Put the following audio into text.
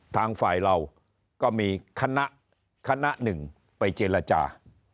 ทางฝ่ายเราก็มีคณะคณะหนึ่งไปเจรจา